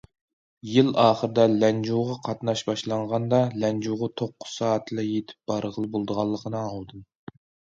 يىل ئاخىرىدا لەنجۇغا قاتناش باشلانغاندا، لەنجۇغا توققۇز سائەتتىلا يېتىپ بارغىلى بولىدىغانلىقىنى ئاڭلىدىم.